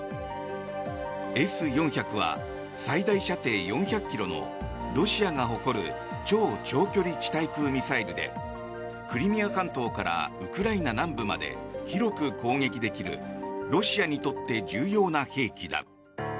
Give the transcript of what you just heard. Ｓ４００は最大射程４００ｋｍのロシアが誇る超長距離地対空ミサイルでクリミア半島からウクライナ南部まで広く攻撃できるロシアにとって重要な兵器だ。